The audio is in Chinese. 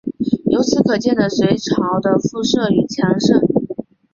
由此可见的隋朝的富庶与强盛。